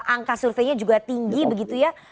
angka surveinya juga tinggi